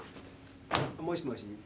もしもし。